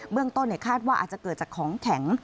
เรื่องต้นคาดว่าอาจจะเกิดจากของแข็ง